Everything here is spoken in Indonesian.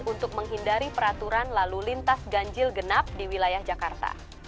untuk menghindari peraturan lalu lintas ganjil genap di wilayah jakarta